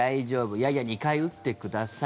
いやいや、２回打ってください